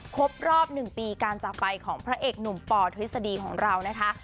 ครบรอบ๑ปีการจากไปของพระเอกหนุ่มปอทฤษฎีของเรานะคะ